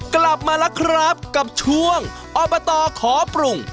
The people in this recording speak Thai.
กลับมาแล้วครับกับช่วงอบตขอปรุง